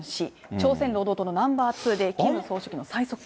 朝鮮労働党のナンバー２でキム総書記の最側近。